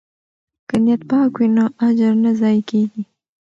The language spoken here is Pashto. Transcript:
که نیت پاک وي نو اجر نه ضایع کیږي.